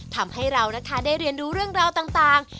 ทำให้เรานะคะได้เรียนรู้เรื่องราวต่าง